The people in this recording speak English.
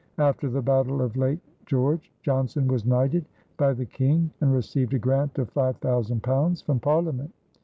After the Battle of Lake George, Johnson was knighted by the King and received a grant of £5000 from Parliament.